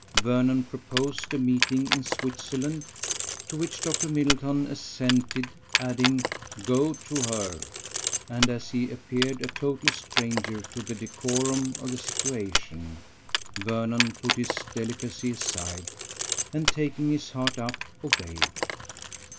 Vernon proposed a meeting in Switzerland, to which Dr. Middleton assented, adding: "Go to her": and as he appeared a total stranger to the decorum of the situation, Vernon put his delicacy aside, and taking his heart up, obeyed.